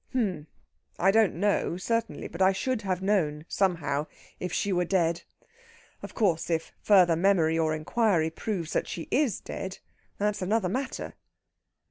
"H'm!... I don't know, certainly. But I should have known, somehow, if she were dead. Of course, if further memory or inquiry proves that she is dead, that's another matter."